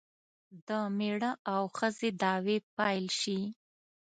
د میړه او ښځې دعوې پیل شي.